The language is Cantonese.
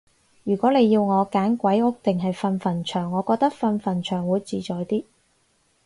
如果你要我揀鬼屋定係瞓墳場，我覺得瞓墳場會自在啲